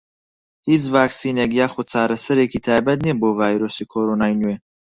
هیچ ڤاکسینێک یاخود چارەسەرێکی تایبەت نییە بۆ ڤایرۆسی کۆرۆنای نوێ.